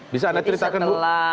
bisa anda ceritakan bu